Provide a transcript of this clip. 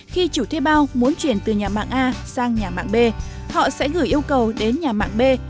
khi chủ thuê bao muốn chuyển từ nhà mạng a sang nhà mạng b họ sẽ gửi yêu cầu đến nhà mạng b